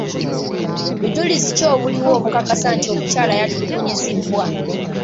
Bujulizi ki obuliwo obukakasa nti omukyala yatulugunyizibwa?